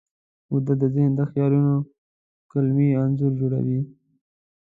ویده ذهن د خیالونو قلمي انځور جوړوي